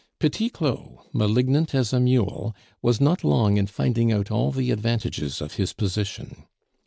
Petit Claud, malignant as a mule, was not long in finding out all the advantages of his position.